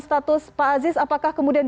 status pak aziz apakah kemudian